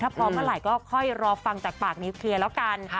พร้อมเมื่อไหร่ก็ค่อยรอฟังจากปากนิวเคลียร์แล้วกัน